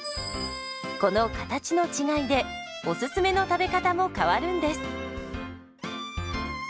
この形の違いでおすすめの食べ方も変わるんです。